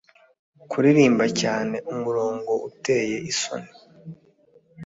kuririmba cyane umurongo uteye isoni